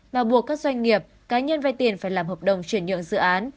mà buộc các doanh nghiệp cá nhân vay tiền phải làm hợp đồng chuyển nhượng dự án